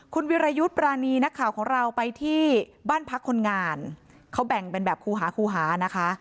คุณวิรยุทธ์ปรานีนักข่าวของเราไปที่บ้านพักคนงานเขาแบ่งเป็นแบบครูหาครูหานะคะ